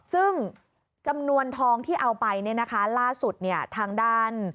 ซึ่งจำนวนทองที่เอาไปเนี่ยนะคะล่าสุดเนี่ยทางด้าน